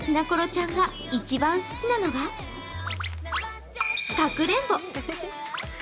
ちゃんが一番好きなのがかくれんぼ。